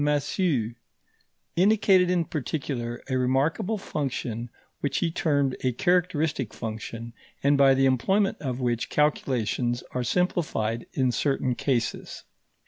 Massieu, indicated in particular a remarkable function which he termed a characteristic function, and by the employment of which calculations are simplified in certain cases.